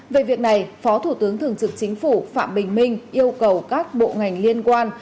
về việc này phó thủ tướng thường trực chính phủ phạm bình minh yêu cầu các bộ ngành liên quan